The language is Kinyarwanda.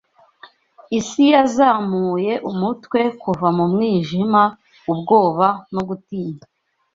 isi yazamuye umutwe Kuva mu mwijima ubwoba no gutinya